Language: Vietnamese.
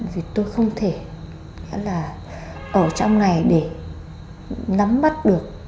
vì tôi không thể là ở trong này để nắm mắt được